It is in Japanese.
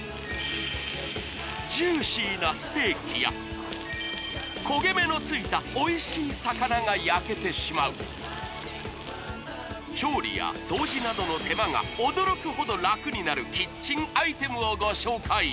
ジューシーな焦げ目のついたおいしい魚が焼けてしまう調理や掃除などの手間が驚くほどラクになるキッチンアイテムをご紹介！